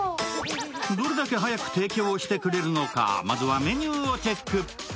どれだけ早く提供してくれるのかまずはメニューをチェック。